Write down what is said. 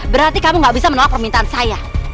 berarti kamu gak bisa menolak permintaan saya